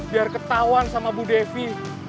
biar ketahuan sama bu devi